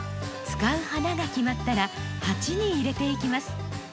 使う花が決まったら鉢に入れていきます。